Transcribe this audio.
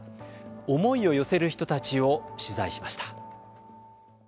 思いを寄せる人たちを取材しました。